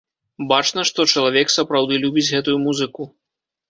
Бачна, што чалавек сапраўды любіць гэтую музыку.